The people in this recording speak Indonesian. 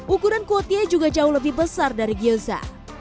ukuran kue tie juga jauh lebih besar dari gyoza